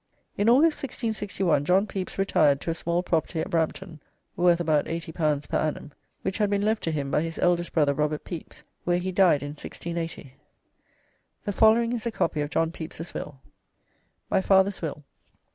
In August, 1661, John Pepys retired to a small property at Brampton (worth about L80 per annum), which had been left to him by his eldest brother, Robert Pepys, where he died in 1680. The following is a copy of John Pepys's will: "MY FATHER'S WILL.